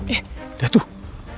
eh lihat tuh